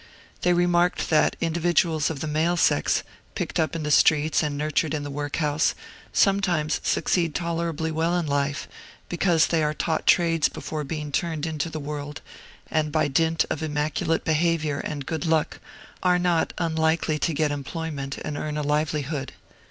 They remarked that individuals of the male sex, picked up in the streets and nurtured in the workhouse, sometimes succeed tolerably well in life, because they are taught trades before being turned into the world, and, by dint of immaculate behavior and good luck, are not, unlikely to get employment and earn a livelihood.